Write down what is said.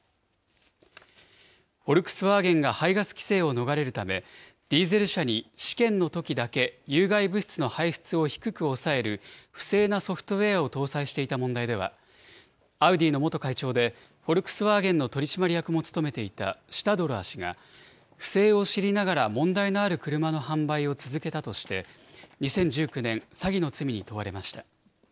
フォルクスワーゲンが排ガス規制を逃れるため、ディーゼル車に試験のときだけ、有害物質の排出を低く抑える不正なソフトウエアを搭載していた問題では、アウディの元会長で、フォルクスワーゲンの取締役も務めていたシュタドラー氏が、不正を知りながら問題のある車の販売を続けたとして２０１９年、詐欺の罪に問われました。